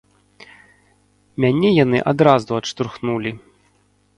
Мяне яны адразу адштурхнулі.